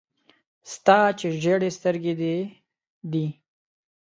ستا چي ژېري سترګي دې دي .